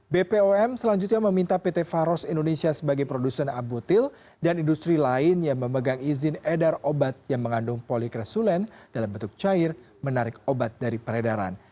bpom selanjutnya meminta pt faros indonesia sebagai produsen albutil dan industri lain yang memegang izin edar obat yang mengandung polikresulen dalam bentuk cair menarik obat dari peredaran